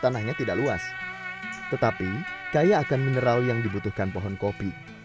tanahnya tidak luas tetapi kaya akan mineral yang dibutuhkan pohon kopi